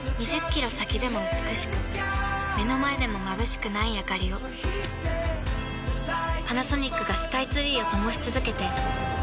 ２０キロ先でも美しく目の前でもまぶしくないあかりをパナソニックがスカイツリーを灯し続けて今年で１０年